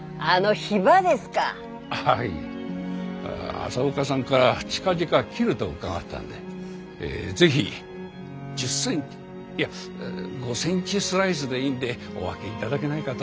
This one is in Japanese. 朝岡さんから近々切ると伺ってたんで是非１０センチいや５センチスライスでいいんでお分けいただけないかと。